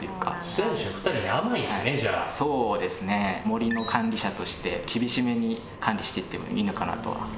森の管理者として厳しめに管理していってもいいのかなとは。